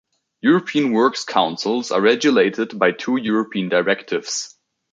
European Works Councils are regulated by two European directives.